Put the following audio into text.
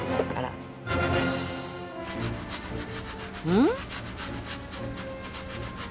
うん？